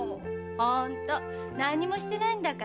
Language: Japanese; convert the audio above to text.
ホント何にもしてないんだから。